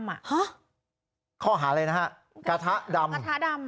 ฮะข้อหาอะไรนะฮะกระทะดำกระทะดำ